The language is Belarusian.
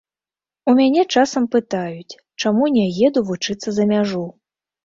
У мяне часам пытаюць, чаму не еду вучыцца за мяжу?